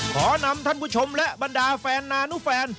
ขอนำท่านผู้ชมและบรรดาแฟนนานุแฟน